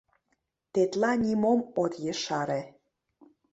— Тетла нимом от ешаре?